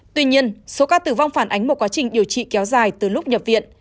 tuy nhiên số ca tử vong phản ánh một quá trình điều trị kéo dài từ lúc nhập viện